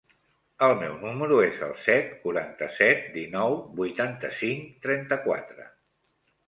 El meu número es el set, quaranta-set, dinou, vuitanta-cinc, trenta-quatre.